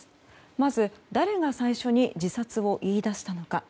まず、誰が最初に自殺を言い出したのか。